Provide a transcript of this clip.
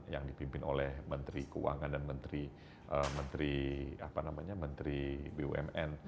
yang dipimpin oleh menteri keuangan dan menteri bumn